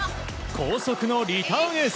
高速のリターンエース。